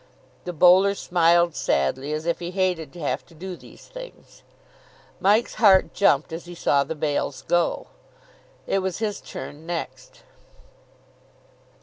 The bowler smiled sadly, as if he hated to have to do these things. Mike's heart jumped as he saw the bails go. It was his turn next.